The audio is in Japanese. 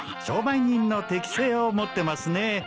商売人の適性を持ってますね。